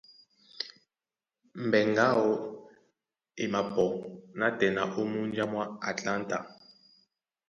Mbɛŋgɛ aó e mapɔ nátɛna ó múnja mwá Atlanta.